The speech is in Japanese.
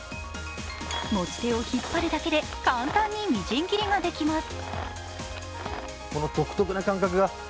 持ち手を引っ張るだけで簡単にみじん切りができます。